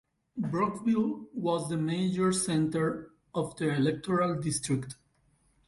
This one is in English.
Brockville was the major centre of the electoral district.